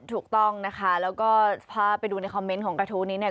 ถูกต้องนะคะแล้วก็พาไปดูในคอมเมนต์ของกระทู้นี้เนี่ย